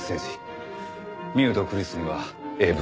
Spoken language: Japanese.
ミウとクリスには英文。